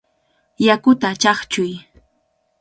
¡Yakuta chaqchuy!